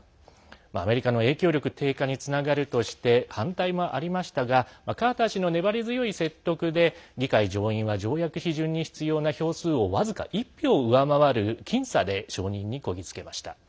アメリカの影響力低下につながるとして反対もありましたがカーター氏の粘り強い説得で、議会上院は条約批准に必要な票数を僅か１票上回る僅差で承認にこぎ着けました。